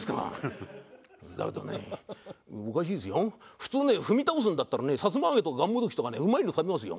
普通ね踏み倒すんだったらねさつま揚げとかがんもどきとかねうまいの食べますよ。